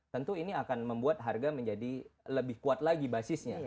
tentu ini akan membuat harga menjadi lebih kuat lagi basisnya